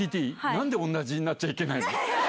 なんで同じになっちゃいけないの？